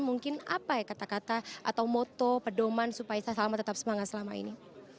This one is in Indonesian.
mungkin apa ya kata kata atau moto pedoman supaya saya salma tetap semangat selama ini